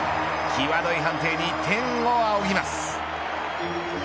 きわどい判定に天を仰ぎます。